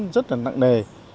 rất nặng nề